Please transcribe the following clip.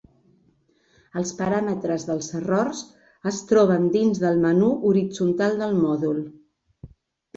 Els Paràmetres dels errors es troben dins del menú horitzontal del mòdul.